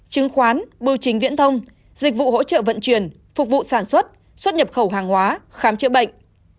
chứng khoán bưu chính viễn thông dịch vụ hỗ trợ vận chuyển phục vụ sản xuất xuất nhập khẩu hàng hóa khám chữa bệnh